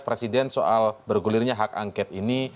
presiden soal bergulirnya hak angket ini